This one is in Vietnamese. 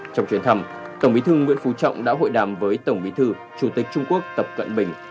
trong chuyến thăm tổng bí thư nguyễn phú trọng đã hội đàm với tổng bí thư chủ tịch trung quốc tập cận bình